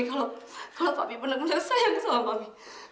kalau papi benar benar sayang sama mami